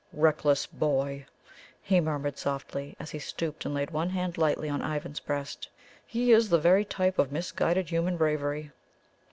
"Reckless boy!" he murmured softly, as he stooped and laid one hand lightly on Ivan's breast. "He is the very type of misguided human bravery.